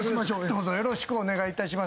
どうぞよろしくお願い致します。